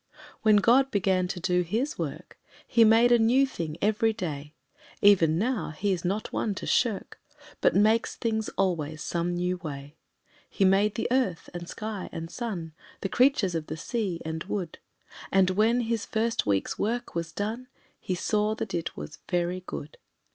When God began to do His work He made a new thing every day Even now He is not one to shirk, But makes things, always some new way He made the earth, and sky, and sun, The creatures of the sea and wood, And when his first week's work was done He saw that it was very good.